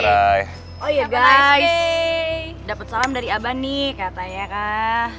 oh iya guys dapet salam dari aba nih katanya kak